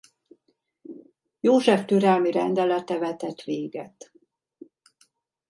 József türelmi rendelete vetett véget.